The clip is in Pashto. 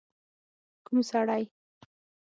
ک و م سړی؟